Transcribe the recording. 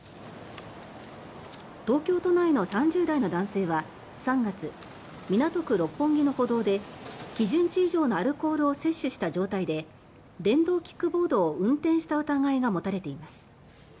東京都内の３０代の男性は３月港区六本木の歩道で基準値以上のアルコールを摂取した状態で電動キックボードを運転した疑いが持たれています。